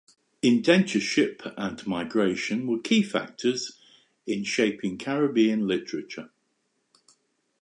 Indentureship and migration were key factors in shaping Caribbean literature.